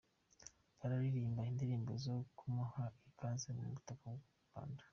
Bararirimba indirimbo zo kumuha ikaze ku butaka bw’u Rwanda.